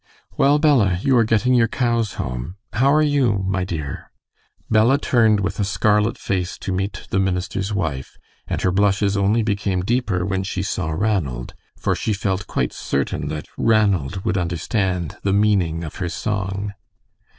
"Well, Bella, you are getting your cows home. How are you, my dear?" Bella turned with a scarlet face to meet the minister's wife, and her blushes only became deeper when she saw Ranald, for she felt quite certain that Ranald would understand the meaning of her song.